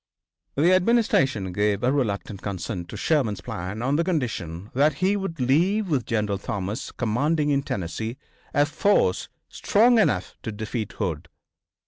The Administration gave a reluctant consent to Sherman's plan on the condition that he would leave with General Thomas, commanding in Tennessee, a force strong enough to defeat Hood.